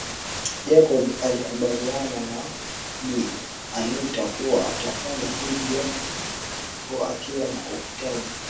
Jacob alikubaliana na bi anita kuwa atafanya hivyo akiwa na uhitaji